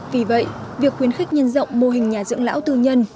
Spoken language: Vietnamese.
vì vậy việc khuyến khích nhân dọng mô hình nhà dưỡng lão tư nhân